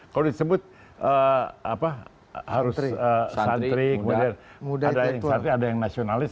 kalau disebut harus santri kemudian ada yang santri ada yang nasionalis